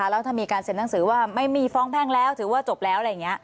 แล้วถ้ามีการเซ็นหนังสือว่าไม่มีฟ้องแพ่งแล้วถือว่าจบแล้วอะไรอย่างนี้